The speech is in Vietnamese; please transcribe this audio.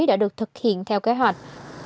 đã được thực hiện theo kế hoạch